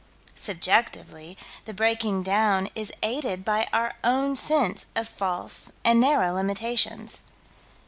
Subjectively, the breaking down is aided by our own sense of false and narrow limitations.